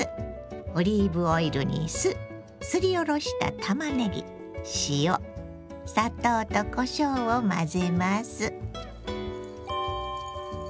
オリーブオイルに酢すりおろしたたまねぎ塩砂糖とこしょうを混ぜます。